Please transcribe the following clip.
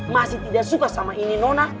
masih tidak suka sama ini nona